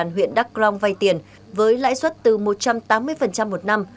huyện đắk long vay tiền với lãi suất từ một trăm tám mươi một năm